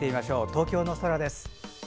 東京の空です。